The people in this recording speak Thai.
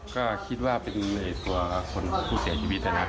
ก็คิดว่าเป็นในตัวของคุณผู้เสียชีวิตนะ